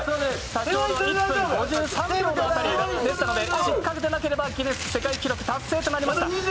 先ほど１分５３秒でしたので、失格でなければギネス世界記録達成となりました。